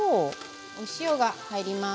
お塩が入ります。